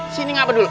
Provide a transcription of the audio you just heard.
sini ngapa dulu